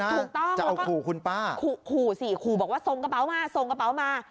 ถูกต้องจะเอาขู่คุณป้าขู่สิขู่บอกว่าส่งกระเป๋ามาส่งกระเป๋ามา